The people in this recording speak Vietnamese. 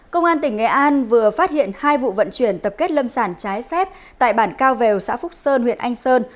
công an tỉnh nghệ an vừa phát hiện hai vụ vận chuyển tập kết lâm sản trái phép tại bản cao vèo xã phúc sơn huyện anh sơn